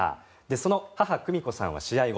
その母・久美子さんは試合後